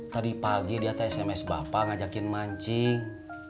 tadi pagi dia tahu sms bapak ngajakin mancing